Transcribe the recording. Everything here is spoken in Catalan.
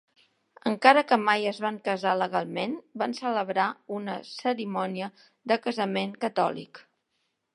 Encara que mai es van casar legalment, van celebrar una cerimònia de casament catòlic.